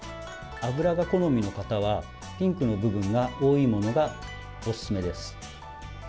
脂が好みの方は、ピンクの部分が多いものがおすすめです。